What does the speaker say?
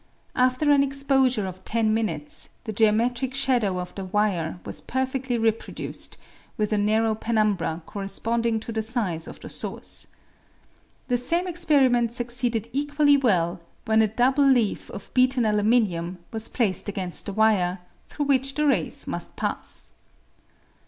After an exposure of ten minutes, the geometric shadow of the wire was perfedly reproduced, with a narrow penumbra corresponding to the size of the source. The same experiment succeeded equally well when a double leaf of beaten aluminium was placed against the wire, through which the rays must pass.